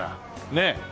ねえ。